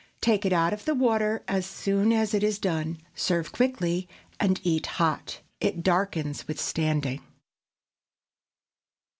Take it out of the water as soon as it is done, serve quickly, and eat hot. It darkens with standing.